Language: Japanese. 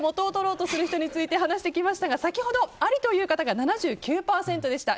ということで元を取ろうとする人について話してきましたが先ほど、ありという方が７９％でした。